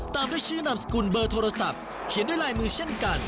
ตามด้วยชื่อนามสกุลเบอร์โทรศัพท์เขียนด้วยลายมือเช่นกัน